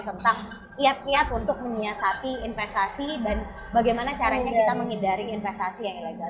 tentang kiat kiat untuk menyiasati investasi dan bagaimana caranya kita menghindari investasi yang ilegal